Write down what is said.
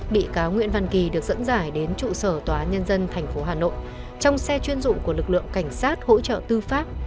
bị cáo nguyễn văn kỳ được dẫn giải đến trụ sở tòa nhân dân tp hà nội trong xe chuyên dụng của lực lượng cảnh sát hỗ trợ tư pháp